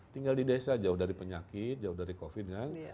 tinggal di desa jauh dari penyakit jauh dari covid kan